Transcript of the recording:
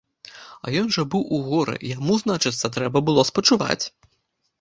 А ён жа быў у горы, яму, значыцца, трэба было спачуваць!